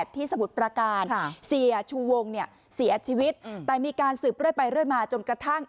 ที่สมุดประการเสียชูวงเสียชีวิตแต่มีการสืบเรื่อยมาจนกระทั่ง